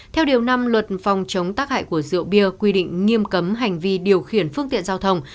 theo điều năm luật phòng chống tác hại của rượu bia quy định nghiêm cấm hành vi điều khiển phương tiện giao thông